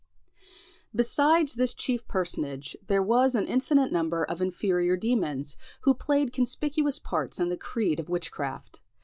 Besides this chief personage, there was an infinite number of inferior demons, who played conspicuous parts in the creed of witchcraft.